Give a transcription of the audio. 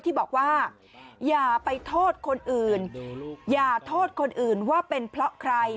ที่บอกว่าอย่าไปโทษคนอื่นอย่าโทษคนอื่นว่าเป็นเพราะใคร